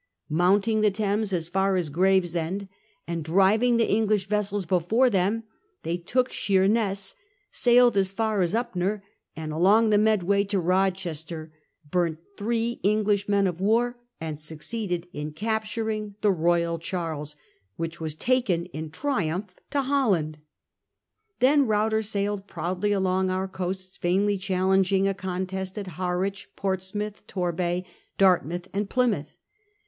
Mounting the Thames as far as Gravesend, and driving The Dutch the English vessels before them, they took Thames* 16 Sheerness, sailed as far as Upnor, and along June 7, 1667. the Medway to Rochester, burnt three English men of war, and succeeded in capturing the 'Royal Charles,' which was taken in triumph to Holland. Then Ruyter sailed proudly along our coasts, vainly challenging a contest at Harwich, Portsmouth, Torbay, Dartmouth, and Plymouth.